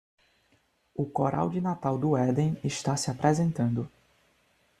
O Coral de Natal do Éden está se apresentando.